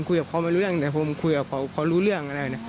คุยกับเขาไม่รู้เรื่องแต่ผมคุยกับเขารู้เรื่องอะไรนะ